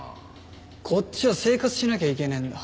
こっちは生活しなきゃいけねえんだ。